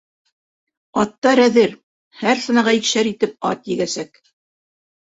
Аттар әҙер. һәр санаға икешәр итеп ат егәсәк.